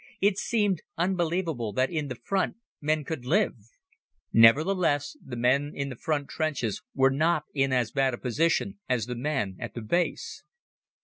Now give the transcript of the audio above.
It seemed unbelievable that in front men could live. Nevertheless, the men in the front trenches were not in as bad a position as the men at the Base.